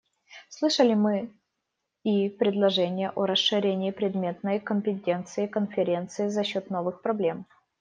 Слышали мы и предложения о расширении предметной компетенции Конференции за счет новых проблем.